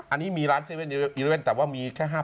อันนี้มีร้าน๗๑๑แต่ว่ามีแค่๕๐๐๐เล่มเอง